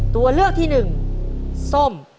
ตัวเลือกที่หนึ่งส้ม